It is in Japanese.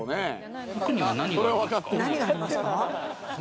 奥には何がありますか？